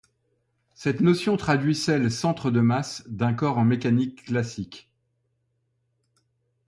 Cette notion traduit celle centre de masse d’un corps en mécanique classique.